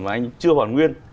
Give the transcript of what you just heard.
mà anh chưa hoàn nguyên